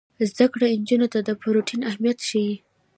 زده کړه نجونو ته د پروټین اهمیت ښيي.